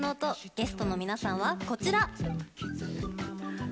ゲストの皆さんは、こちら！